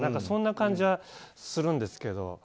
そんな感じはするんですけど。